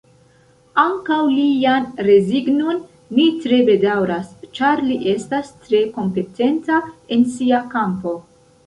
Ankaŭ lian rezignon ni tre bedaŭras, ĉar li estas tre kompetenta en sia kampo.